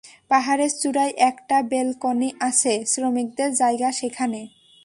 পাহাড়ের চূড়ায় একটা ব্যালকনি আছে, শ্রমিকদের জায়গা সেখানে।